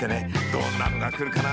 どんなのがくるかな？